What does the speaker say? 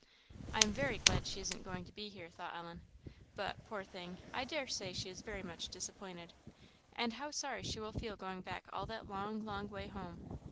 "I am very glad she isn't going to be here," thought Ellen. "But, poor thing! I dare say she is very much disappointed. And how sorry she will feel going back all that long, long way home!